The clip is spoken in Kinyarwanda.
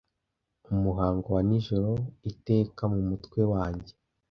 umuhango wa nijoro, iteka mumutwe wanjye